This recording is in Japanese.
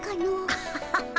アハハハ。